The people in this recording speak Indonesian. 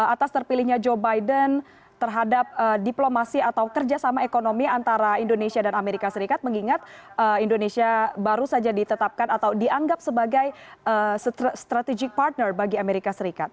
atas terpilihnya joe biden terhadap diplomasi atau kerjasama ekonomi antara indonesia dan amerika serikat mengingat indonesia baru saja ditetapkan atau dianggap sebagai strategic partner bagi amerika serikat